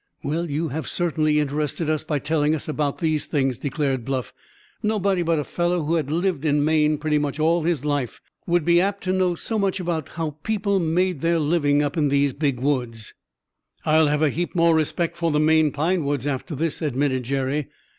"Well, you have certainly interested us by telling about these things," declared Bluff. "Nobody but a fellow who had lived in Maine pretty much all his life would be apt to know so much about how people made their living up in these Big Woods." "I'll have a heap more respect for the Maine pine woods after this," admitted Jerry.